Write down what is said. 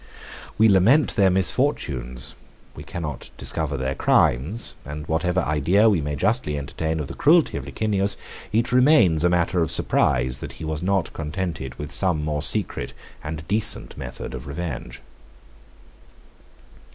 We lament their misfortunes, we cannot discover their crimes; and whatever idea we may justly entertain of the cruelty of Licinius, it remains a matter of surprise that he was not contented with some more secret and decent method of revenge.